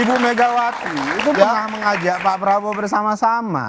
ibu megawati itu sudah mengajak pak prabowo bersama sama